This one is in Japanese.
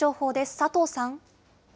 佐藤さん。